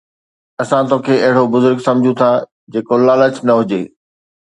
اسان توکي اهڙو بزرگ سمجهون ٿا جيڪو لالچ نه هجي